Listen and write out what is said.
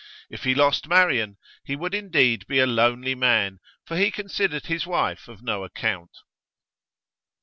If he lost Marian, he would indeed be a lonely man, for he considered his wife of no account.